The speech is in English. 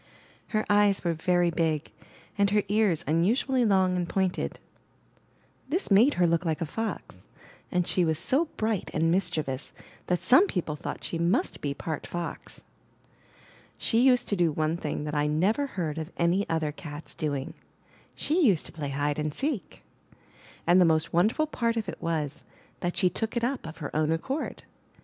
Her eyes were very big, and her ears unusually long and pointed. This made her look like a fox; and she was so bright and mischievous that some people thought she must be part fox. She used to do one thing that I never heard of any other cat's doing: she used to play hide and seek. And the most wonderful part of it was, that she took it up of her own accord.